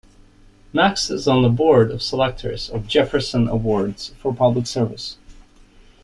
Max is on the Board of Selectors of Jefferson Awards for Public Service.